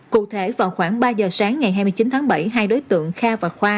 cụ thể vào khoảng ba giờ sáng ngày hai mươi chín tháng bảy hai đối tượng kha và khoa